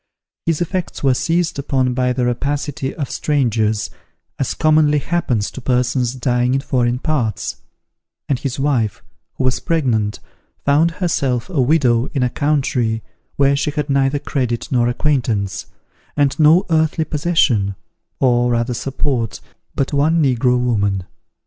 His effects were seized upon by the rapacity of strangers, as commonly happens to persons dying in foreign parts; and his wife, who was pregnant, found herself a widow in a country where she had neither credit nor acquaintance, and no earthly possession, or rather support, but one negro woman.